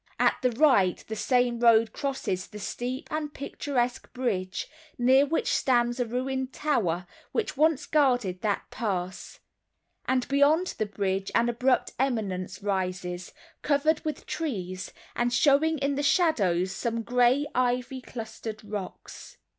At the right the same road crosses the steep and picturesque bridge, near which stands a ruined tower which once guarded that pass; and beyond the bridge an abrupt eminence rises, covered with trees, and showing in the shadows some grey ivy clustered rocks.